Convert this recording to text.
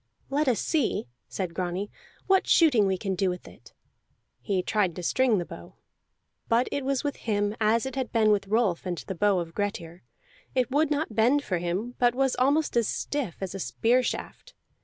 "Let us see," said Grani, "what shooting we can do with it." He tried to string the bow. But it was with him as it had been with Rolf and the bow of Grettir: it would not bend for him, but was almost as stiff as a spear shaft.